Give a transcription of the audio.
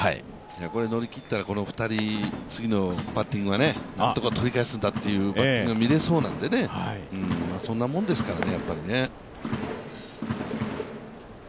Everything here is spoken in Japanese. これを乗り切ったら、この次のバッティングは何とか取り返すんだというバッティングが見られそうなんで、そんなもんですからね。